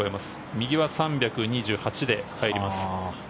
右は３２８で入ります。